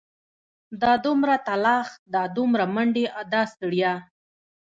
دا دومره تلاښ دا دومره منډې دا ستړيا.